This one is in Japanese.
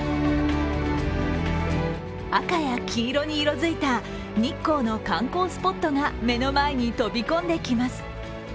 赤や黄色に色づいた日光の観光スポットが目の前に飛び込んできます。